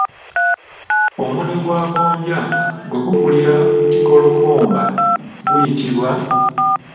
Omunwe gwa gonja bwe gukulira ku kikolokomba guyitibwa?